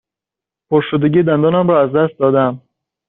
پرشدگی دندانم را از دست داده ام.